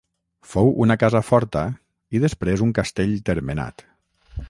Fou una casa forta i després un castell termenat.